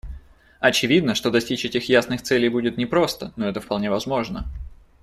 Очевидно, что достичь этих ясных целей будет непросто, но это вполне возможно.